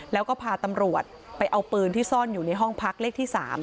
แล้วก็พาตำรวจไปเอาปืนที่ซ่อนอยู่ในห้องพักเลขที่๓